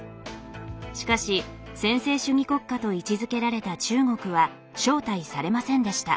しかし専制主義国家と位置づけられた中国は招待されませんでした。